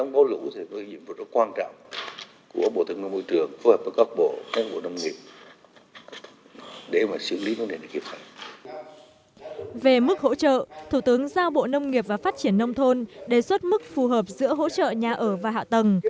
về mức hỗ trợ thủ tướng giao bộ nông nghiệp và phát triển nông thôn đề xuất mức phù hợp giữa hỗ trợ nhà ở và hạ tầng